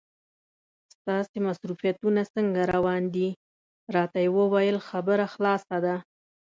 ستاسې مصروفیتونه څنګه روان دي؟ راته یې وویل خبره خلاصه ده.